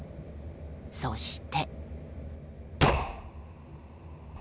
そして。